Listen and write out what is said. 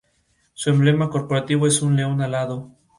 Su emblema corporativo es un león alado.